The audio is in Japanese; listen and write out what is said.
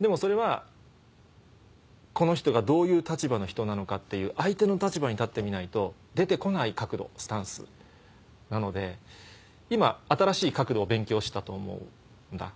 でもそれはこの人がどういう立場の人なのかっていう相手の立場に立ってみないと出て来ない角度スタンスなので今新しい角度を勉強したと思うんだ。